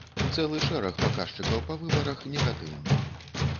Цэлы шэраг паказчыкаў па выбарах негатыўны.